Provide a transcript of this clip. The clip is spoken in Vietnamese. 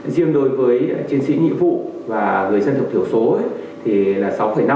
riêng đối với chiến sĩ nhiệm vụ và người dân tộc thiểu số thì là sáu năm